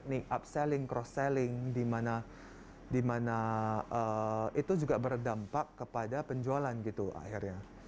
ini upselling cross selling dimana itu juga berdampak kepada penjualan gitu akhirnya